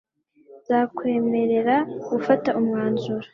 nzakwemerera gufata umwanzuro